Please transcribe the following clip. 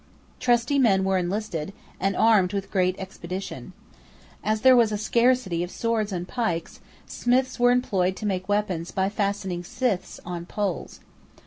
Trusty men were enlisted, and armed with great expedition. As there was a scarcity of swords and pikes, smiths were employed to make weapons by fastening scythes on poles.